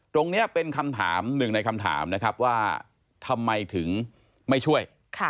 ตรงนี้เป็นคำถามหนึ่งในคำถามนะครับว่าทำไมถึงไม่ช่วย